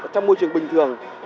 trong môi trường bình thường